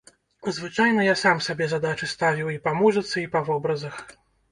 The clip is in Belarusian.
Звычайна я сам сабе задачы ставіў і па музыцы, і па вобразах.